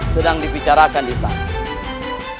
sedang dibicarakan di sana